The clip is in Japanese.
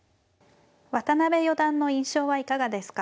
渡辺四段の印象はいかがですか。